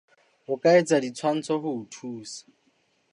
O ka etsa ditshwantsho ho o thusa.